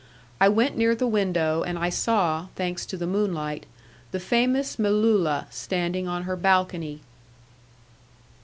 I went near the window, and I saw, thanks to the moonlight, the famous Melulla standing on her balcony.